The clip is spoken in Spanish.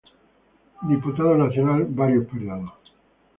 Diputado nacional varios periodos.